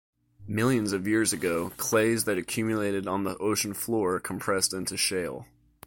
Millions of years ago, clays that accumulated on the ocean floor compressed into shale.